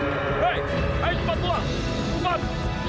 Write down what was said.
apa lagi kita dapat